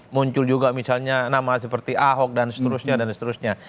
muncul juga misalnya nama seperti ahok dan seterusnya dan seterusnya